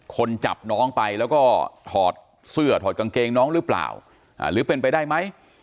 คนจับน้องไปแล้วก็ถอดเสื้อถอดกางเกงน้องหรือเปล่าหรือเป็นไปได้ไหม